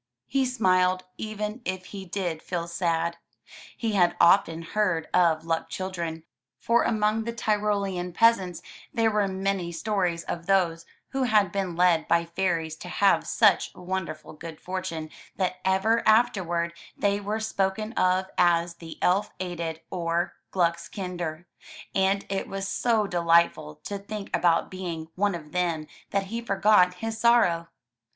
He smiled even if he did feel sad. He had often heard of luck children, for among the Tyrolean peasants there were many stories of those who had been led by fairies to have such won derful good fortune that ever afterward they were spoken of as the elf aided, or Glucks Kinder, and it was so delightful to think about being one of them that he forgot his sorrow.